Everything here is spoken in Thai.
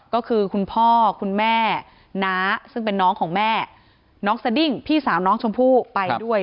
ก็คือคุณพ่อคุณแม่น้าซึ่งเป็นน้องของแม่น้องสดิ้งพี่สาวน้องชมพู่ไปด้วย